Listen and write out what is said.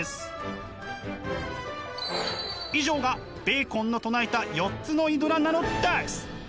以上がベーコンの唱えた４つのイドラなのです！